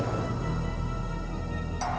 ya mau habis istirahat nih capek